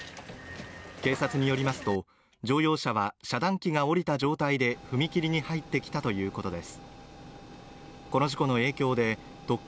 警察によりますと乗用車は遮断機が下りた状態で踏み切りに入ってきたということです